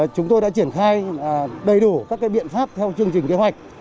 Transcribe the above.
chúng tôi đã triển khai đầy đủ các biện pháp theo chương trình kế hoạch